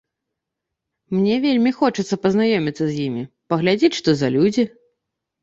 Мне вельмі хочацца пазнаёміцца з імі, паглядзець, што за людзі.